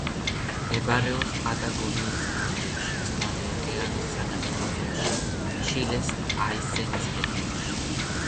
მდებარეობს პატაგონიის ანდებში, წყნარი ოკეანის სანაპირო ზოლში, ჩილეს აისენის რეგიონში.